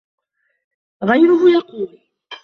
غَيْرُهُ يَقُولُ